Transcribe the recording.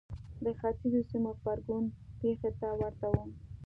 د ختیځو سیمو غبرګون پېښې ته ورته و.